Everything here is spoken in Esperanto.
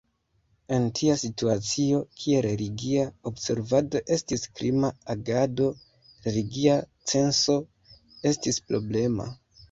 En tia situacio, kie religia observado estis krima agado, religia censo estis problema.